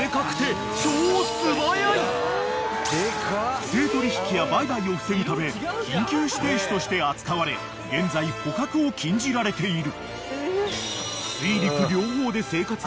［不正取引や売買を防ぐため緊急指定種として扱われ現在捕獲を禁じられている］